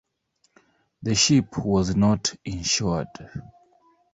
The ship was not insured.